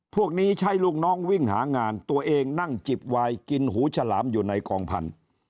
พวกนี้ใช้ลูกน้องวิ่งหางานตัวเองนั่งจิบวายกินหูฉลามอยู่ในกองพันธุ์